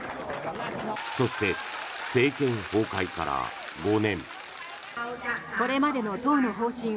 そして、政権崩壊から５年。